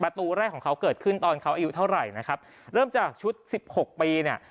แรกของเขาเกิดขึ้นตอนเขาอายุเท่าไหร่นะครับเริ่มจากชุดสิบหกปีเนี่ย